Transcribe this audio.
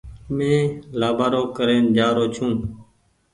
مين لآبآرو ڪرين جآرو ڇون۔